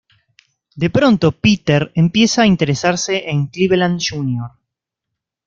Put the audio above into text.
De pronto Peter empieza a interesarse en Cleveland Jr.